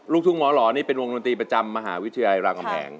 ลูกทุ่งหมอหลอนี่เป็นวงดนตรีประจำมหาวิทยาลังอมแหง